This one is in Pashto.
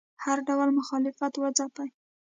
هر ډول مخالفت وځپي